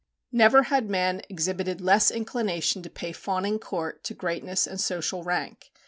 Never had man exhibited less inclination to pay fawning court to greatness and social rank.